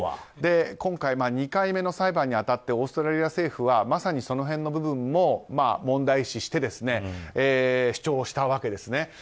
今回、２回目の裁判に当たってオーストラリア政府はまさにその辺の部分も問題視して主張したわけですね。